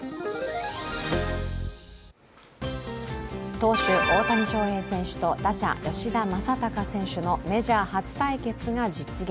投手・大谷翔平選手と打者・吉田正尚選手のメジャー初対決が実現。